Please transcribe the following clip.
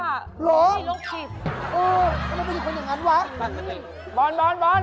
หรอเอ้าแล้วไม่มีคนอย่างนั้นวะบอลบอล